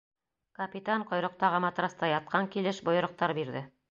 Капитан ҡойроҡтағы матраста ятҡан килеш бойороҡтар бирҙе.